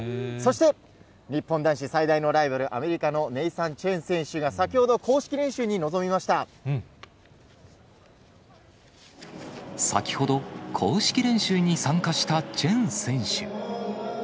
そして日本男子最大のライバル、アメリカのネイサン・チェン選手が、先ほど、公式練習に臨みまし先ほど、公式練習に参加したチェン選手。